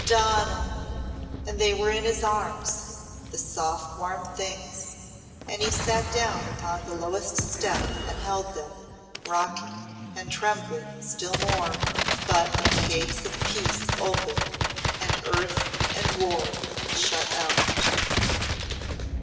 Donal!" And they were in his arms the soft warm things and he sat down upon the lowest step and held them rocking and trembling still more but with the gates of peace open and earth and war shut out.